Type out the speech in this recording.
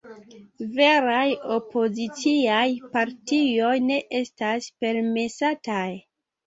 Veraj opoziciaj partioj ne estas permesataj.